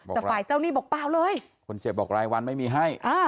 แต่ฝ่ายเจ้าหนี้บอกเปล่าเลยคนเจ็บบอกรายวันไม่มีให้